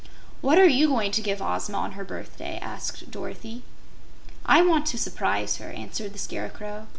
"What are you going to give Ozma on her birthday?" asked Dorothy. "I want to surprise her," answered the Scarecrow.